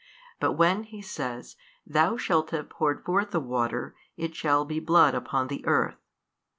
But when (He says) thou shalt have poured forth the water, it shall be blood upon the earth.